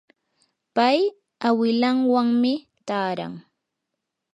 pay awilanwanmi taaran.